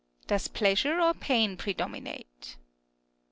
Earth. Does pleasure or pain predominate